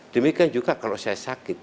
demikian juga kalau saya sakit